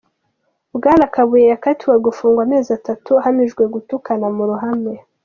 Bwana Kabuye yakatiwe gufungwa amezi atanu ahamijwe gutukana mu ruhame.